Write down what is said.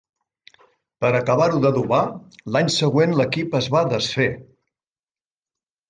Per acabar-ho d'adobar, l'any següent l'equip es va desfer.